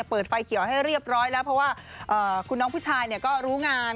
เปิดไฟเขียวให้เรียบร้อยแล้วเพราะว่าคุณน้องผู้ชายก็รู้งาน